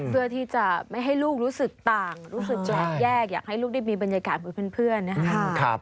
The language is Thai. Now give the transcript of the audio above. เพื่อที่จะไม่ให้ลูกรู้สึกต่างรู้สึกแปลกแยกอยากให้ลูกได้มีบรรยากาศเหมือนเพื่อนนะครับ